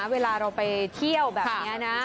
เวลาเราไปเที่ยวแบบนี้นะ